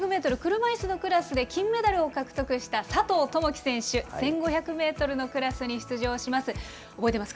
車いすのクラスで金メダルを獲得した佐藤友祈選手、１５００メートルのクラスに出場します。